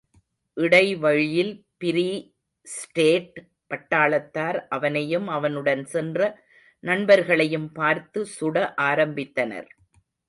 இடைவழியில் free state பட்டாளத்தார் அவனையும் அவனுடன் சென்ற நண்பர்களையும் பார்த்து சுட ஆரம்பித்தனர்.